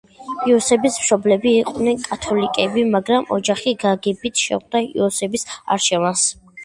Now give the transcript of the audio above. იოსების მშობლები იყვნენ კათოლიკები, მაგრამ ოჯახი გაგებით შეხვდა იოსების არჩევანს.